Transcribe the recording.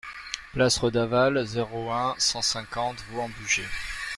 Place Redavalle, zéro un, cent cinquante Vaux-en-Bugey